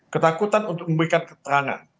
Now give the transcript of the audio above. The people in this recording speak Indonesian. ketakutan untuk memberikan keterangan